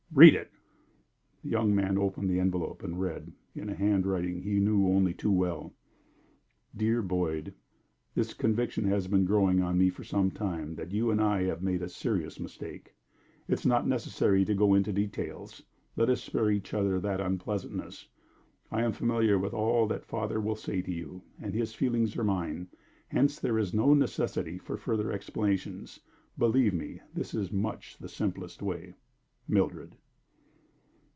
"Read it!" The young man opened the envelope, and read, in a hand writing he knew only too well: "DEAR BOYD, The conviction has been growing on me for some time that you and I have made a serious mistake. It is not necessary to go into details let us spare each other that unpleasantness. I am familiar with all that father will say to you, and his feelings are mine; hence there is no necessity for further explanations. Believe me, this is much the simplest way. "MILDRED."